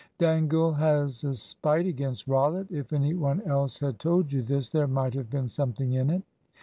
"Dangle has a spite against Rollitt. If any one else had told you this, there might have been something in it."